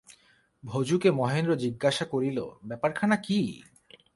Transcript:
ভজুকে মহেন্দ্র জিজ্ঞাসা করিল, ব্যাপারখানা কী!